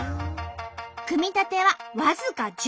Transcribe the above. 組み立ては僅か１０分。